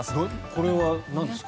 これはなんですか？